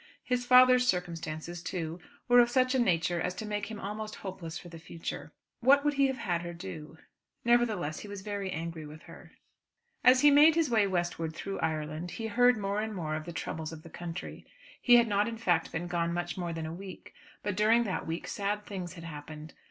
His father's circumstances too were of such a nature as to make him almost hopeless for the future. What would he have had her do? Nevertheless he was very angry with her. As he made his way westward through Ireland he heard more and more of the troubles of the country. He had not in fact been gone much more than a week, but during that week sad things had happened.